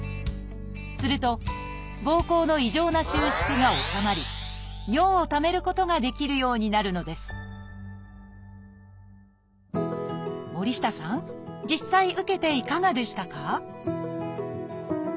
するとぼうこうの異常な収縮が治まり尿をためることができるようになるのです森下さん実際受けていかがでしたか？